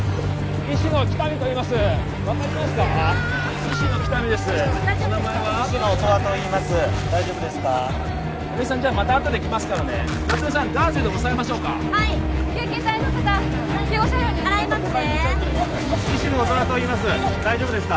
医師の音羽といいます大丈夫ですか？